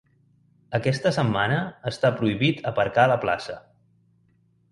Aquesta setmana està prohibit aparcar a la plaça.